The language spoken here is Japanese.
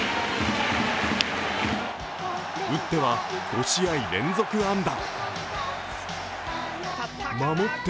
打っては５試合連続安打。